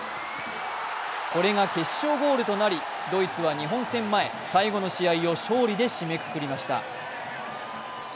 これが決勝ゴールとなり、ドイツは日本戦前、最後の試合を勝利で締めくくりました。